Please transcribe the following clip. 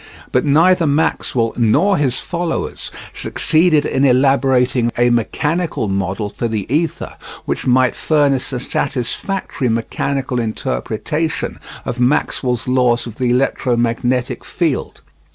But neither Maxwell nor his followers succeeded in elaborating a mechanical model for the ether which might furnish a satisfactory mechanical interpretation of Maxwell's laws of the electro magnetic field.